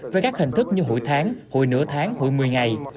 về các hình thức như hụi tháng hụi nửa tháng hụi một mươi ngày